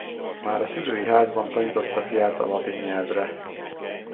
Már a szülői házban tanította fiát a latin nyelvre.